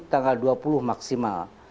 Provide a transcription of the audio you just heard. tanggal dua puluh maksimal